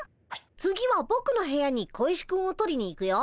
次はぼくの部屋に小石くんを取りに行くよ。